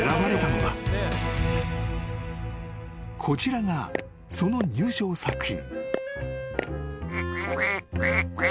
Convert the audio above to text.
［こちらがその入賞作品］